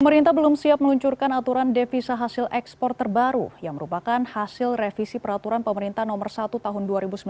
pemerintah belum siap meluncurkan aturan devisa hasil ekspor terbaru yang merupakan hasil revisi peraturan pemerintah nomor satu tahun dua ribu sembilan belas